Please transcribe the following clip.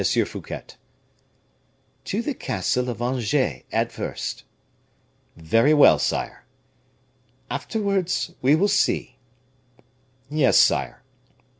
Fouquet." "To the castle of Angers, at first." "Very well, sire." "Afterwards we will see." "Yes, sire."